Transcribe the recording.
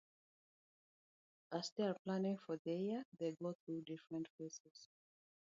As they are planning for the year, they go through different phases.